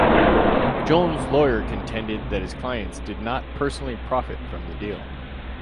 Jones's lawyer contended that his client did not personally profit from the deal.